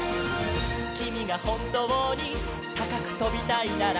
「きみがほんとうにたかくとびたいなら」